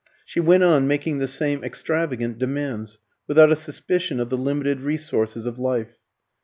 She went on making the same extravagant demands, without a suspicion of the limited resources of life.